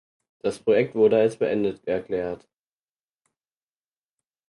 Das Projekt wurde als beendet erklärt.